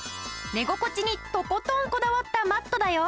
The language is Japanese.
寝心地にとことんこだわったマットだよ。